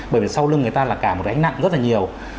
bởi vì sau lưng người ta là cả một cái ánh nặng rất là nhiều